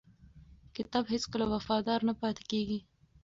کتاب هیڅکله وفادار نه پاتې کېږي.